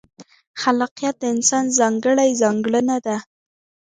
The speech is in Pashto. خلاقیت د انسان ځانګړې ځانګړنه ده.